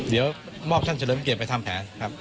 เดี๋ยวมอบท่านเฉลิมเกียรไปทำแผนครับ